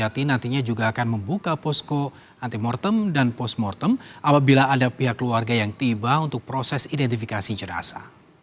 nantinya juga akan membuka posko anti mortem dan post mortem apabila ada pihak keluarga yang tiba untuk proses identifikasi jenazah